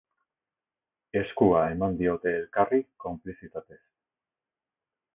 Eskua eman diote elkarri, konplizitatez.